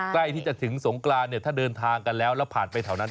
ใกล้ที่จะถึงสงกรานเนี่ยถ้าเดินทางกันแล้วแล้วผ่านไปแถวนั้น